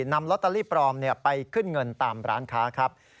นำลอตเตอรี่ปลอมไปขึ้นเงินตามร้านค้าครับ